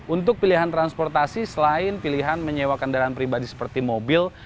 untuk pilihan transportasi selain pilihan menyewa kendaraan pribadi seperti mobil